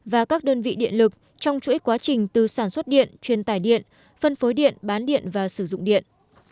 và các đơn vị điện lực trong chuỗi quá trình từ sản xuất điện truyền tải điện phân phối điện bán điện và sử dụng điện